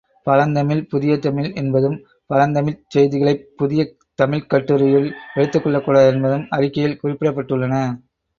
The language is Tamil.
பழந்தமிழ் புதிய தமிழ் என்பதும், பழந்தமிழ்ச் செய்திகளைப் புதிய தமிழ்க் கட்டுரையில் எடுத்துக் கொள்ளக்கூடாது என்பதும் அறிக்கையில் குறிப்பிடப்பட்டுள்ளன.